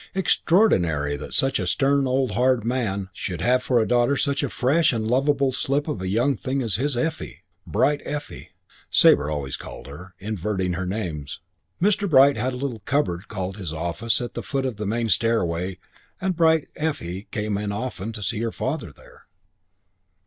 Extraordinary that such a stern and hard old man should have for daughter such a fresh and lovable slip of a young thing as his Effie! Bright Effie, Sabre always called her, inverting her names. Mr. Bright had a little cupboard called his office at the foot of the main stairway and Bright Effie came often to see her father there.